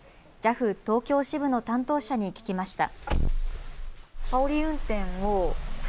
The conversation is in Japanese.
ＪＡＦ東京支部の担当者に聞きました。